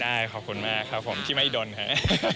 ได้ขอบคุณมากครับผมที่ไม่อะน่ะค่ะ